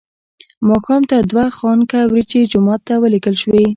ماښام ته دوه خانکه وریجې جومات ته ولېږل شوې.